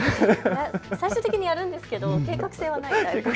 最終的にやるんですけれど計画性はない。